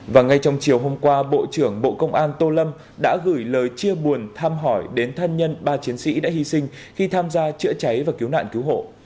và ngay trong chiều hôm qua bộ trưởng bộ công an tô lâm đã gửi lời chia buồn tham hỏi đến thân nhân ba chiến sĩ đã hy sinh khi tham gia chữa cháy và cứu nạn cứu hộ